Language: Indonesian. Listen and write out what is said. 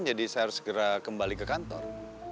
jadi saya harus segera kembali ke kantor